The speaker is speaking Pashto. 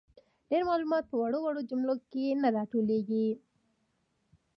ډیر معلومات په وړو وړو جملو کي نه راټولیږي.